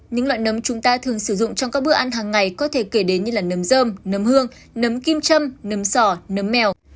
những loại nấm chúng ta thường sử dụng trong các bữa ăn hàng ngày có thể kể đến như là nấm dơm nấm hương nấm kim châm nấm sò nấm mèo